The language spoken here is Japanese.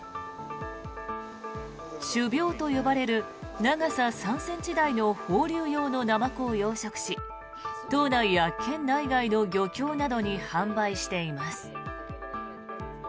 種苗と呼ばれる長さ３ｃｍ大の放流用のナマコを養殖し島内や県内外の漁協などに販売しています。